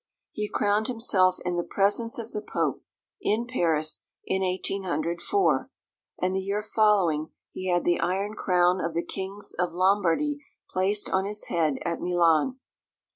He crowned himself in the presence of the Pope, in Paris, in 1804, and the year following he had the iron crown of the kings of Lombardy placed on his head at Milan.